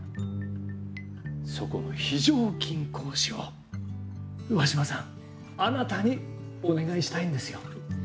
そこの非常勤講師を上嶋さんあなたにお願いしたいんですよ。